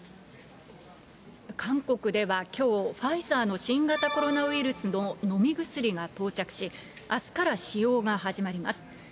韓国ではきょう、ファイザーの新型コロナウイルスの飲み薬が到着し、あすから使用が始まります。